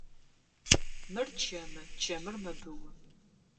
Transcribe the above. Мыр чэмы, чэмыр мэбыу.